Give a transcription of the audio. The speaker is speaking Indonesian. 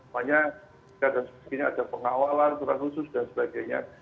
pokoknya kadang kadang ada pengawalan turan khusus dan sebagainya